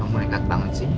kamu nekat banget sih